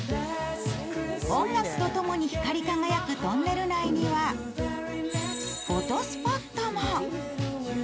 音楽とともに光り輝くトンネル内にはフォトスポットも。